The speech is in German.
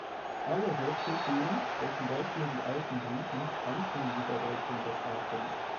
Alle Hochkulturen, so zum Beispiel die alten Griechen, kannten die Bedeutung des Atems.